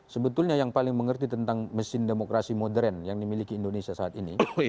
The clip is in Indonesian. sebetulnya yang paling mengerti tentang mesin demokrasi modern yang dimiliki indonesia saat ini